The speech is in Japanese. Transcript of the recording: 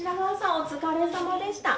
お疲れさまでした。